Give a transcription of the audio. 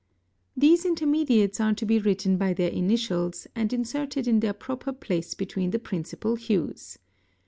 These intermediates are to be written by their initials, and inserted in their proper place between the principal hues.